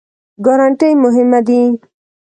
ګارنټي مهمه دی؟